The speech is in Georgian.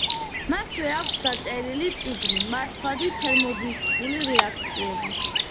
მასვე აქვს დაწერილი წიგნი „მართვადი თერმობირთვული რეაქციები“.